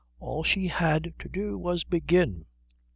All she had to do was to begin.